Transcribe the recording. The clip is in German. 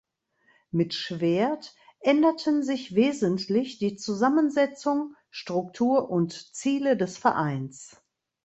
Mit Schwerdt änderten sich wesentlich die Zusammensetzung, Struktur und Ziele des Vereins.